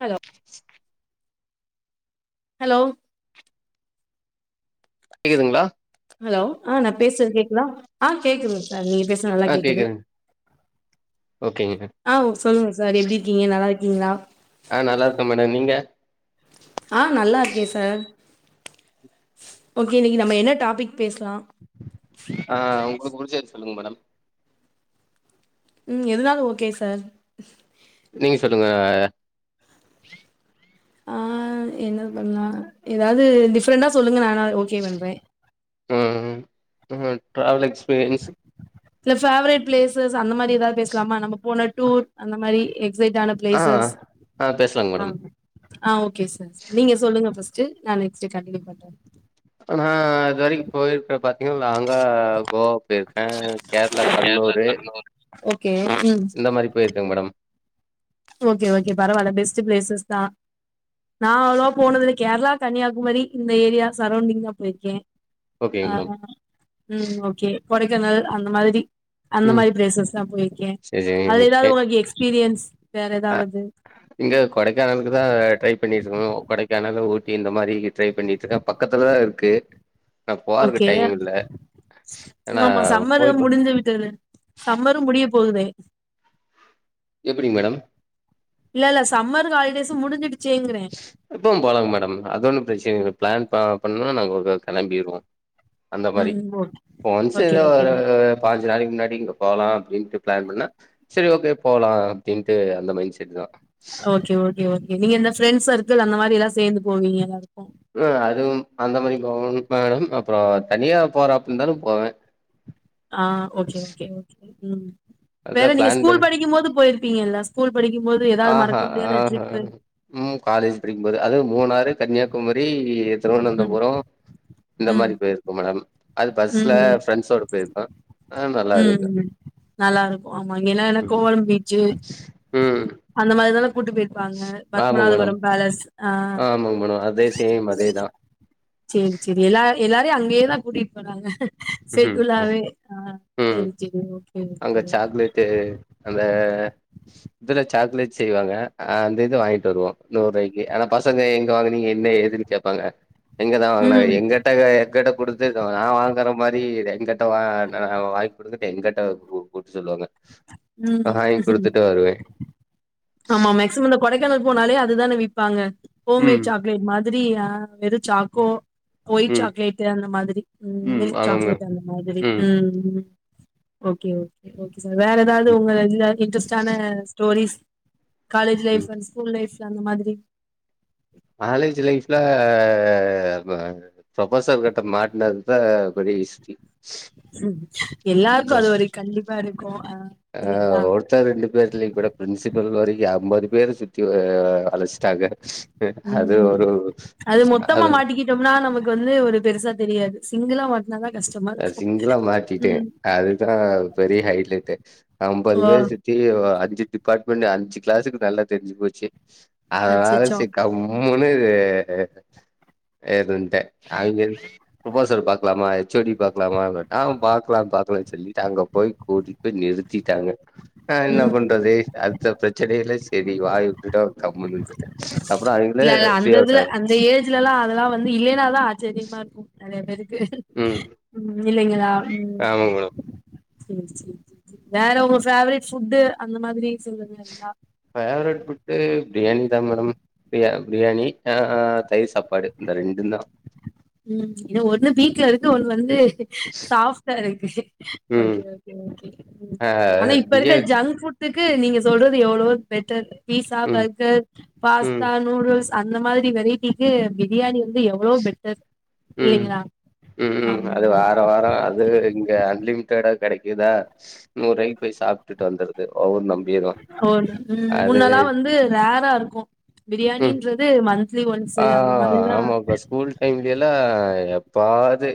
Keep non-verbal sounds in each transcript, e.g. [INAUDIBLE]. Hello hello கேக்குதுங்ளா hello ஆ நா பேசுற கேக்குதா ஆ கேக்குதுங் சார் நீங்க பேசுன நல்லா ஆ கேக்குது கேக்குதுங்க ஓகேங்க ஆ சொல்லுங்க சார் எப்டி இருக்கீங்க நல்லா இருக்கீங்ளா ஆ நல்லா இருக்க மேடம் நீங்க ஆ நல்லா இருக்கே சார் ஓகே இன்னிக்கு நம்ம என்ன டாபிக் பேஸ்லா ஆ உங்களுக்கு புடிச்சது சொல்லுங்க மேடம் ம் எதனாலு ஓகே சார் நீங்க சொல்லுங்க அ ஆ என்னது பண்லா ஏதாவது டிஃப்ரெண்டா சொல்லுங்க நா வேனாக் ஓகே பண்ற ம் அ டிராவல் எக்ஸ்பீரியன்ஸ் இல்ல ஃபேவரட் பிளேசஸ் அந்த மாரி ஏதாவது பேசலாமா நம்ம போன டூர் அந்த மாரி எக்ஸைட்டான ஆ பிளேசஸ் ஆ பேசலாங்க ஆ மேடம் ஆ ஓகே சார் நீங்க சொல்லுங்க ஃபஸ்ட்டு நா நெக்ஸ்ட் கண்டினியூ பண்ற நா இதுவரைக்கு போயிருக்க பாத்தீங்கன்னா லாங்கா கோவா போயிருக்க கேரளா கண்ணுர் ஓகே உம் இந்த மாரி போயிருக்கங் மேடம் ஓகே ஓகே பரவால்லா பெஸ்ட் பிளேசஸ் தா நா அவ்ளோ போனதுல கேரளா கன்னியாகுமரி இந்த ஏரியா சரௌண்டிங் தா போயிருக்கே ஓகேங்க ஆ மேடம் உம் ஓகே கொடைக்கானல் அந்த மாதிரி அந்த ம் மாதிரி பிளேசஸ் தான் போயிருக்கேன் சரி அது சரிங்க ஏதாவது உங்களுக்கு எக்ஸ்பீரியன்ஸ் வேற ஆ ஏதாவது இங்க கொடைக்கானலுக்கு தான் ட்ரை பண்ணிக்கிட்டு இருக்கோம் கொடைக்கானல் ஊட்டி இந்த மாரி ட்ரை பண்ணிட்டு இருக்கேன் பக்கத்துலதான் இருக்கு ஆனா போறக்கு ஓகே டைம் இல்ல ஆனா ஆமா சம்மரு போய் முடிஞ்சி விட்டது சம்மரும் முடிய போகுதே எப்படிங் மேடம் இல்ல இல்ல சம்மர் ஹாலிடேஸும் முடிஞ்சிருச்சே இங்குறேன் இப்பவும் போலாங்க மேடம் அது ஒன்னு பிரச்சனைங்க பிளான் ப பண்ணனா நாங்க உடனே கிளம்பிடுவோம் அந்த மாரி ம் இப்போ ஒன்ஸ் ஓகே ஏதோ ஓகே ஒரு ஓகே பாயிஞ்சு நாளைக்கு முன்னாடி இங்க போலாம் அப்பின்ட்டு பிளான் பண்ணா சரி ஓகே போலாம் அப்படின்ட்டு அந்த மைண்ட செட் தான் ஓகே ஓகே ஓக நீ இந்த ஃப்ரெண்ட் சர்க்கிள் அந்த மாதிரி எல்லாம் சேந்து போவீங்க நல்லாருக்கும் ஆ அதுவும் அந்த மாரி போகும் மேடம் அப்புறம் தனியா போறப்ப இருந்தாலும் போவேன் ஆ ஓகே ஓகே ஓகே ம் வேற அதான் நீங்க பிளான் பண்ண ஸ்கூல் படிக்கும் போது போயிருப்பீங்கல்ல ஸ்கூல் படிக்கும் போது ஏதாவது ஆஹா மறக்க முடியாத ஆஹா ட்ரிப்பு ம் காலேஜ் படிக்கும் போது அது மூணாறு கன்னியாகுமரி ம் திருவனந்தபுரம் இந்த ம் மாரி பேயிர் கோ மேடம் அது பஸ்ல ம் ம் ஃப்ரெண்ட்ஸோட போயிருக்கேன் ஆ நல்லா ம் இருக்கு ம் நல்லா இருக்கும் ஆமா இங்கல்லாம் என்னா கோவலம் பீச்சு ம் அந்த மாதிரிதால கூட்டி போயிருப்பாங்க பத்மநாதபுரம் பேலஸ் ஆ ஆமாங்க மேம் அதே சேம் அதேதான் சேரி சேரி எல்லார எல்லாரையும் அங்கேயே தான் கூட்டிகிட்டு போறாங்க ம் செட்டூலாவே ஆ சேரி சேரி ஓகே ஓகே பிளேட்டு அந்த இதுல சாக்லேட் செய்வாங்க அந்த இது வாங்கிட்டு வருவோம் நூறு ரூபாய்க்கு ஆனா பசங்க எங்க வாங்கினீங்க என்ன ஏது கேப்பாங்க எங்கதான் வாங்குனா ம் எங்கெட்ட எங்கெட்ட கொடுத்து நா வாங்குற மாரி எங்கெட்ட நா வாங்கி கொடுத்துட்டு எங்கெட்ட கூ கொடு சொல்லுவாங்க ம் வாங்கி குடுத்துட்டு வருவே ஆமா மேக்சிமம் இந்த கொடைக்கானல் போனாலே அதுதானே விப்பாங்க ம் ஹோம்மேட் சாக்லேட் மாதிரி அ வெறும் சாக்கோ ஒயிட் ம் சாக்லேட்டு் அந்த மாதிரி ம் மில்க் சாக்லேட் அந்த மாதிரி ம் ஓகே ஓகே ஓகே சார் வேற ஏதாவது ம் உங்க இதுல இன்ட்ரெஸ்ட்டான ஸ்டோரிஸ் காலேஜ் ம் லைஃப்ல ஸ்கூல் லைஃப்ல அந்த மாதிரி காலேஜ் லைஃப்ல அப ப்ரொபசர் கிட்ட மாட்னது தா பெரிய ஹிஸ்ட்ரி ம் ஆ எல்லாருக்கும் அது ஒரு கண்டிப்பா இருக்கும் அ இல்லைங்ளா தா ரெண்டு பேர்லி கூட பிரின்சிபல் வரிக்கும் ஐம்பது பேர் சுத்தி அடச்சிட்டாங்க அது ஒரு அது ம்னா நமக்கு வந்து ஒரு பெருசா தெரியாது சிங்கிளா மாட் னாதா கஷ்டம் சிங்குளா மாட்டிடேன் அதுதா பெரிய ஹைலைட்டு ஐம்பது ஓ! பேர் சுத் தி அஞ்சு டிபார்ட்மெண்ட் அஞ்சு க்ளாஸுக்கு நல்லா தெரிஞ்சு போச்சு அதனால அச்சச்சோ! சேரி கம் ம்முனு ஏதுட்டே அவங்க ப்ரொபசல் பாக்கலாமா ஹச் ஓ டி பாக்கலாமா ஆன் பாக்கலாம் பாக்கலான் சொல்லிட்டு அங்க போய் கூட்டிட் போய் நிறுத் திட்டாங்க ஆ என்ன ம் பண்றது அடுத்த ப்ரச்சனைல்ல சரி வாய் உட்டுடோம் கம்முன்னு இருந்துட்டன் அப்புறம் அவங்ளே ஃப்ரீயா விட்டாங்க இந்த ஏஜ்ல எல்லாம் அதெல்லா வந்து இல்லலைன்னா தா ஆச்சரியமா இருக்கும் நெறைய பேருக்கு ம் இல்லைங்களா ம் ஆமா மேடம் சேர் சேர் சேர் சேர் வேற உங்க ஃபேவரெட் ஃபுட்டு அந்த மாதுரி சொல்றது எல்லா ஃபேவரெட் ஃபுட்டு ப்ரியாணிங்தா மேடம் ப்ரியா ப்ரியாணி ஆ அ தயிர் சாப்பாடு இந்த ரெண்டு தா ம் ஒன்னு வீட்ல இருக்கு ஒண்ணு வந்து ஷாஃப்டா இருக்கு ம் ஒகே ஒகே ஒகே ஆ ஆனா இப்ப இருக்க பிரியா ஜங்க் ஃபுட் க்கு நீங்க சொல்றது எவ்ளோவோ பெட்டர் பீஸா ம் பர்கர் ம் பாஸ்தா நூடுல்ஸ் அந்த மாரி வெரைட்டிக்கு பிரியாணி வந்து எவ்ளோவோ பெட்டர் ம் இல்லைங்களா ம் ம் ஆமா அது ஆமா வாரோ வாரோ அது வேரு இங்க அன்லிமிட்டடா கெடைக்குதா நூறுவாய்க்கு போய் சாப்ட்டுட்டு வந்துறது வவுரு நம்பிரு ஒ ம் முன்னல்லா வந்து ரேராருக்கு ம் பிரியாணின்றது மந் த்லி ஒன்சு அந்த மாதிரிதா இங்கெய்ல்லா எப்பாது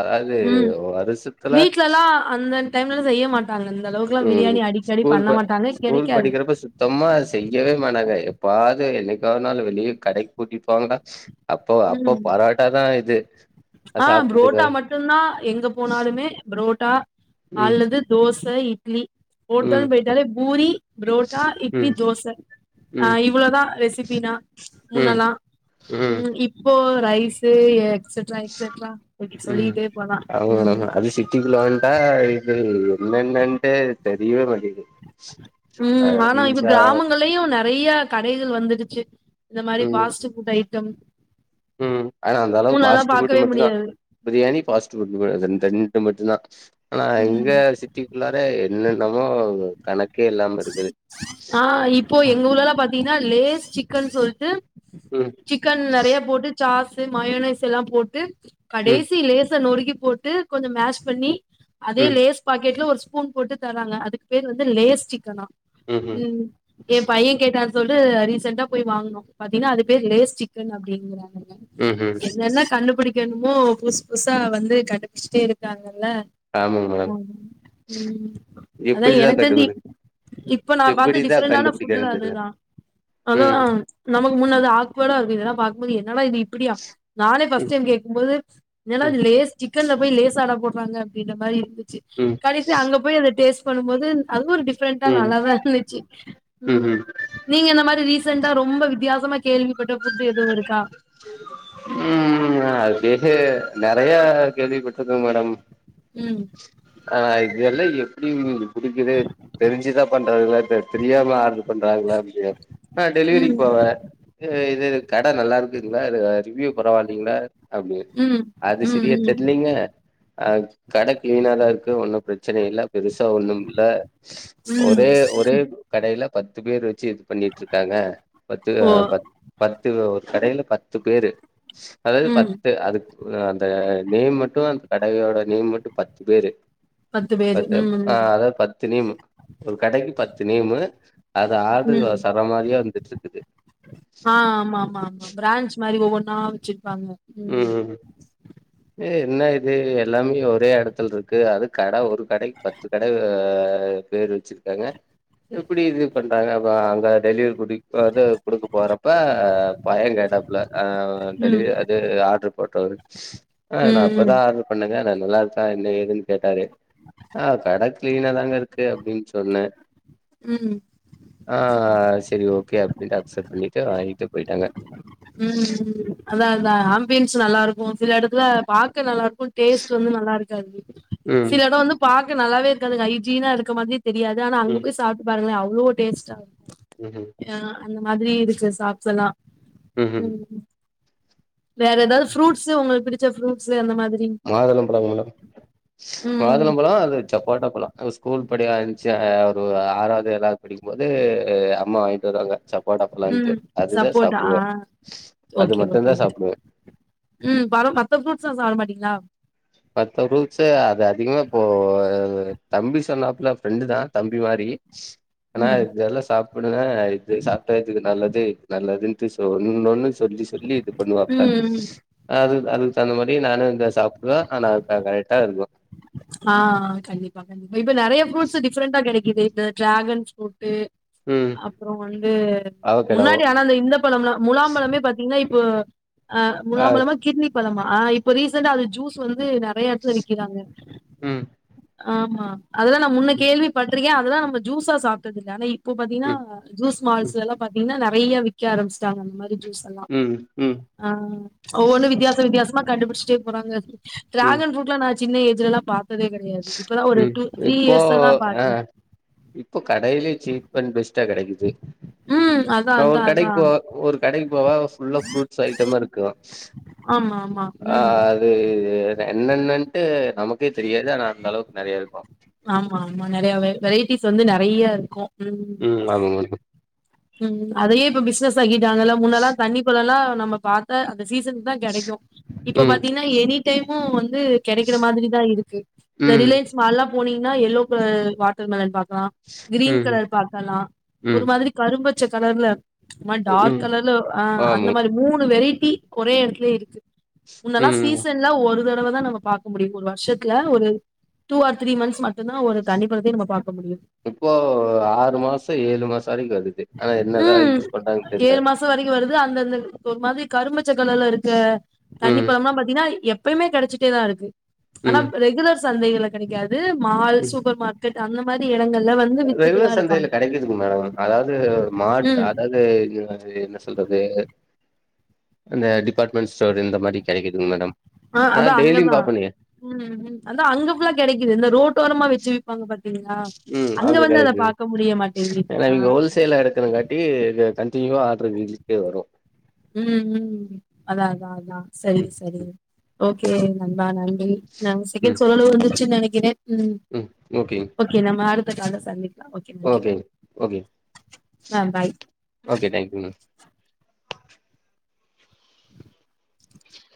அதாது ம் வருஷத்துல வீட்லல்லா அந்த டைம்லா செய்ய மாட்டாங்க இந்த அளவுக்குல்லா ம் பிரியாணி அடிக்கடி ஸ்கூல் பண்ண ப மாட்டாங்க ஸ்கூல் கெடைக்காது படிக்கிறப்ப சுத்தமா செய்யவே மாட்டாங்க எப்பாது என்னைக்கா ஒருனாலு வெளிய கடைக்கு கூட்டிப்போவாங்க அப்போ அப்போ ம் பரோட்டா தா இது ஆ சாப்ட்டுட்டுக்க புரோட்டா மட்டுன்தா எங்க போனாலுமே ப்ரோட்டா ம் அல்லது தோச இட்லி ம் ஹேட்டல்னு போயிட்டாலே பூரி ப்ரோட்டா இட்லி ம் தோச ம் ஆன் இவ்ளோதா ரெசிபினா ம் முன்னெல்லா ம் இப்போ ரைஷு எக்செட்ரா எக்செட்ரா ம் சொல்லிட்டே போலா ம் அவ்ளோதா அது சிட்டிக்குள்ள வன்டா இது என்னனென்னன்டே தெரியவே மாட்டைக்கு ம் ஆனா இப்ப கிராமங்களலயு நெறயா கடைகள் வந்துருச்சு இந்த மாரி ம் பாஸ்ட் ஐட்டம் ம் ஆனா அந்த அளவுக்கு முன்னல்லா ஃபாஸ்ட் பாக்கவே ஃபுட்டு மட்டுதா முடியாது பிரியாணி ஃபாஸ்ட் ஃபுட் கட இந்த ரெண்டு மட்டு தா ஆனா இங்க ம் சிட்டி குள்ளாரே என்னென்னமோ கணக்கே இல்லாம இருக்குது ஆ இப்போ எங்க ஊர்லலா பாத்தீங்ன்னா லேஸ் சிக்கன் சொல்ட்டு ம் சிக்கன் நெறயா போட்டு சாஷூ மயோனிஸ் எல்லா போட்டு ம் கடைசி லேஷ் ஷ நொருக்கி போட்டு கொஞ்சோ மேஷ் பண்ணி அதே ம் லேஸ் பாக்கெட்ல ஒரு ஸ்பூன் போட்டு தராங்க அதுக் பேரு வந்து லேஸ் சிக்கனா ம்ஹும் ம் என் பைய கேட்டான் சொல்ட்டு ரீசெண்ட்டா போய் வாங்னோ பாத்தீங்ன்னா அது பேரு லேஸ் சிக்கன் அப்டிங்கிறாங்க ம் ம் என்னென்ன கண்டுபிடிக்கணுமோ புஸ்சு புஸ்சா வந்து கண்டுப்புச்சுட்டே இருக்காங்கல்ல ஆமாங்க மேடம் ம் அதா எப்படிதா எனக் தெர்ஞ்சி கண்டுபிடி இப்ப நா பாத்த எப்படிதா டிஃப்ரெண்டான ஃபுட்டுல கண்டுபிடிக்கிறாங்கன்னு தெர்ல அதுதா அதா ம் நமக்கு முன்ன அது ஆக்வடா இருக்கு இதெல்லா பாக் க என்னடா இது இப்பிடியா நானே ஃபர்ஸ்ட் ம் டைம் கேக்கும் போது என்னடா ம் இது லேஷ் சிக் கன்ல போய் லேசாடா போட்றாங்க அப்டின்ன மாரி இருந்துச்சு ம் கடைசியா அங்க போய் அத டேஸ்ட் பண்ணு போது அது ஒரு டிஃப்ரெண்டா ம் நல்லாதா இருந்துச்சு ம் ம்ஹும் நீங்க இந்த மாரி ரீசெண்டா ரொம்ப வித்தியாசமா கேள்விப்பட்ட ஃபுட் எதுவு இருக்கா ம் அது கேட்டு நெறயா கேள்விப்பட்ருக்க மேடம் ம் ஆ இதெல்லா எப்டிங்கது புடிக்குது தெரிஞ்சுதா பண்றாங்ளா பட் தெரியாம ஆரம்பிக் நா டெலிவரிக்கு ம் போவ இது எங்க ஏரியா கட நல்லாருக் குங்ளா இல்ல ரிவ்யூ பண்ண வந்தீங்ளா அப்டி ம் அது ம் செரியா ம் தெரிலீங்க அ கட கிளீனா தா இருக்கு ஒன்னு பிரச்சன இல்ல பெருஸ் சா ஒன்னும் இல்ல ம் ஒரே ஒரே கடையில பத்து பேர் வெச்சு பண்ணிட்ருக்காங்க பத்து ஓ அ‌ பத் பத்து ஒரு கடையில பத்து பேரு அதாவ்து ம் பத்து அதுக் ம் அந்த நேம் மட்டும் அந்த கடயோட நேம் மட்டும் பத்து பேரு பத்து பேரு பத்தா ம் ஆ ம் அதாவ்து பத் பத்து நேம்மு ஒரு கடைக்கு பத்து நேமு அது ஆடுரு ம் சர மாரிய வந்துட்டு இருக்குது ஆ ஆமா ஆமா ஆமா பிரான்ச் மாரி ஒவ்வொன்னா வச்சிருப்பாங்க ம் ம் ஏ என்ன இது எல்லாமே ஒரே எடத்துல இருக்கு அது கட ஒரு கடைக் பத்து கடை ஆ பேரு வெச்சி ஏங்க எப்பிடி இதுவு பண்றாங்க அங்க அங்க டெலிவ் குடிக் இப்ப அது குடுக்க போறப்ப பையளுகா கேட்டாப்ல ஆ டெலிவ ம் அப் இது ஆட்ரு போட்ட ஆ நா ம் இப்பதா ம் ஆட்ரு பண்ணங்க நா நல்லா இருக்கா என்ன ஏதுனு கேட்டாரு அ கட கிளீன்னா தாங்க இருக்கு அப்டின் சொன்ன ம் ஆ சரி ஓகே அப்டின் அக்சப்ட் பண்ணிட்டு வாங்கிட்டு போயிட்டாங்க ம் ம் ம் அதா அதா ஆம்பியன்ஸ் நல்லா இருக்கும் சில எடத்துல பாக்க நல்லாருக்கும் டேஸ்ட்டு வந்து நல்லா இருக்காது ம் சில எடோ வந்து பாக்க நல்லாவே இருக்காது ஹைஜீனா இருக்க மாதிரி தெரியாது ஆனா ம் அங்குட்டு சாப்ட்டு பாருங்ளே அவ்ளோ டேஸ்ட்டாருக்கும் ‌ம் ம் ம் அந்த மாதிரி இருக்கு சாக்ஸ்ஸல்லா ம் ம்‌ வேற எதாவ்து ஃப்ரூட்ஸ்சு உங்குளுக் புடிச்ச ஃரூட்ஸ்சு அந்த மாதிரி மாதுளம்பழோ மேடம் ம் மாதுளம்பழோ அது சப் போட்டோ பழோ ஸ்கூல் படிகந்துச்சு அவ ஒரு ஆறாவது ஏழாது படிக்கும்போது அம்மா வாங்கிட்டு வருவாங்க சப்போட்டாப் பழம்ன்ட்டு ம் அதுதா சப்போட்டா ஆ சாப்டுவே அது ஓகே மட்டுந் ஓகே தா ஓகே சாப்டுவே ம் பரம் மத்த ஃப்ரூட்ஸ்ல்லா சாப்ட மாட்டீங்களா மத்த ஃப்ரூட்ஸ்ல அது அதிகமா இப்போ தம்பி சொன்னாப்புல ஃப்ரெண்டு தா தம்பி மாதிரி ஆனா ம் அது எல்லா சாப் ஒன்னொன்னா இப்டி சாப்ட்டா இதுக்கு நல்லது நல்லதுன்ட்டு இன்னொன்னு சொல்லி சொல்லி இது பண்ணுவாப்புல ம் அது அதுக்கு தகுந்த மாதிரி நானு சாப் அ ஆனா கரெக்டா இருக்கு ஆ கண்டிப்பா கண்டிப்பா இப்ப நெறய ஃப்ரூட்ஸ் டிஃப்ரெண்டா கிடைக்குது இந்த ட்ராகன் ஃப்ரூட்டு ம் அப்றோ வந்து அவகேடோ முன்னாடி ஆனா அந்த இந்த பழம்லா முலாம்பழமே பாத்தீங்கன்னா இப் போ அ ஆ முலாம்பழமா கிர்னி பழமா இப்ப ரீசண்டா அது ஜூஸ் வந்து நெ றய இடத்துல விக்கிறாங்க ம் ஆமா அதெல்லா நா முன்ன கேள்விப்பட்ருக்கே அதெல்லா நம்ம ஜூஸா சாப்ட்டது இல்ல ஆனா இப் போ பாத்தீங்கன்னா ம் ஜூஸ் ம் மால்ஸ்லல்லா பாத்தீங்கன்னா நெறைய விக்க ஆரம்பிச்சாங்க அந்த மாதிரி ஜூஸ் எல்லா ம் ம் ஆ ஒவ்வொன்னு வித்தியாசொ வித்தியாசமா கண்டுபுடிச்ட்டே போறாங்க ம் டிராகன் ஃப்ரூட்லா நா சின்ன ஏஜ்லல்லா பாத்ததே கெடையாது இப்பதா ஒரு ம் டூ த்ரீ இப்போ இயர்ஸ்ஸா தா ஆ பாக்றே இப்போ கடைலே சீப் அன் பெஸ்ட்டா கிடைக்குது ம் அதா நா அதா ஒரு அதா கடைக்கு போ ஒரு கடைக்கு போவெ ஃபுல்லா ஃப்ரூட்ஸ் ஐட்டமாருக்கு ஆமா ஆமா ம் அது என்னென்னன்ட்டு நமக்கே தெரியாது ஆனா அந்த அளவுக்கு நெறையா இருக்கு ஆமா ஆமா நெறையவே வெரைட்டிஸ் வந்து நெறையாருக்கு ம் ம் [UNINTELLIGIBLE] ம் அதயே இப்ப பிசினஸ் ஆக்கிட்டாங்கல்ல முனனெல்லா தண்ணி பழோல்லா நம்ம பாத்தா அந்த சீசனுக் தா கெடைக்கு இப்ப ம் பாத்தீங்கன்னா எனி டைமு வந்து கெடைக்கிற மாதிரிதா இருக்கு இந்த ம் ரிலையன்ஸ் மால்ல்லா போனீங்கன்னா எல்லோ கலர் வாட்டர் மெலன் பாக்லா கிரீன் ம் கலர் பாக்கலா ஒரு ம் மாதிரி கரும்பச்ச கலர்ல ஒரு மாரி டார்க் ம் கலர்ல ஆ அந்த ஆமா மாரி மூணு வெரைட்டி ஒரே எடத்துலே இருக்கு முன்னல்லா ம் சீசன்ல ஒரு தடவதா நம்ம பாக்க முடியு ஒரு வருஷத்துல ஒரு டூ ஆர் த்ரீ மந்த்ஸ் மட்டுந் தா ஒரு தண்ணிப் பழத்தயே நம்ம பாக்க முடியு இப்போ ஆறு மாசோ ஏழு மாசோ வரைக்கு வருது ஆனா என்னதா ம் யூஸ் பண்றாங்கன்னு தெர்ல ஏழு மாசோ வரைக்கு வருது அந்தந்த ஒரு மாதிரி கரும்பச்சக் கலர்ல இருக்க தண்ணி ம் பழம்லா பாத்தீங்கன்னா எப் பயுமே கெடைச்சிட்டே தா இருக்கு ஆனா ரெகுலர் சந்தைகள்ல கெடைக்காது மால் ம் சூப்பர் மார் கெட் அந்த மாரி இடங்கள்ல வந்து ரெகுலர் சந்தையில வித்துட்டுதாருக்காங்க கெடைக்குதுங்க மேடம் அதாவது மாட் அதாவது இது என்ன சொ ல்றது அந்த டிபார்ட்மெண்ட் ஸ்டோர் இந்த மாரி கிடைக்குதுங்க மேடம் ஆ அதா ஆன் டெய்லியு அங்கதா பாப்பேனுங்க ம் ம் அதா அங்க ஃபுல்லா கெடைக்குது இந்த ரோட்டோரமா வச்சு பாங்க பாத்தீங்களா அங்க வந்து அத பாக்க முடிய மாட்டேங்கிது ஆ சேல எடுக்கணுங் காட்டி கண்டினியூவா ஆர்டரு வீட்டுகே வரு ம் ம் அதா அதா அதா செரி ம் செரி ஓகே நண்பா நன்றி நா செகண்ட் ம் சொலலே வந்துருச்சு நெனைக்கிறே ம் ம் ஓகேங்க ஓகே நம்ம அடுத்தக்கால்ல சந்தி ஓகேங் ஓகேங் ஆ பாய் ஓகே தேங்க்யூ மேம்